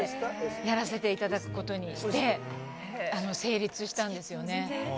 やらせていただくことにしてで、成立したんですよね。